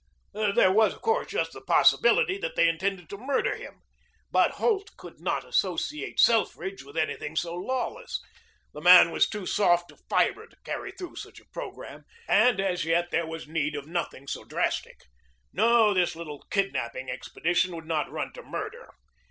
There was, of course, just the possibility that they intended to murder him, but Holt could not associate Selfridge with anything so lawless. The man was too soft of fiber to carry through such a programme, and as yet there was need of nothing so drastic. No, this little kidnapping expedition would not run to murder.